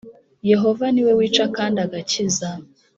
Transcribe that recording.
Yehova niwe wica kandi agakiza